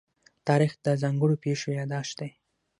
تاریخ د ځانګړو پېښو يادښت دی.